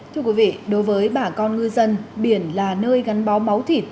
thưa quý vị đối với bà con ngư dân biển là nơi gắn bó máu thịt